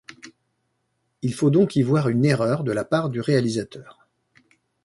Il faut donc y voir une erreur de la part du réalisateur.